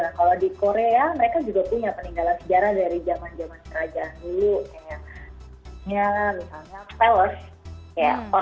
nah kalau di korea mereka juga punya peninggalan sejarah dari zaman zaman kerajaan dulu kayak misalnya palace